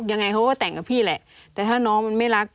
ยังไงเขาก็แต่งกับพี่แหละแต่ถ้าน้องมันไม่รัก